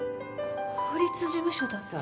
法律事務所だって